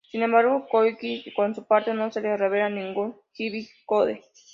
Sin embargo, Koichi por su parte no se le revela ningún Digi-Code.